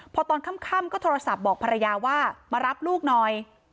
พอตอนค่ำก็โทรศัพท์บอกภรรยาว่ามารับลูกหน่อย